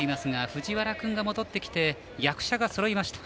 藤原君が戻ってきて役者がそろいました。